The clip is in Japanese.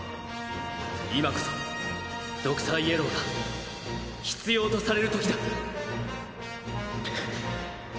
今こそドクターイエローが必要とされるときだ